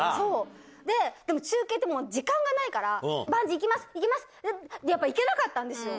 でも、中継って時間がないから、バンジー行きますって、やっぱいけなかったんですよ。